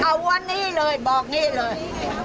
เอาวันนี้เลยบอกนี่เลย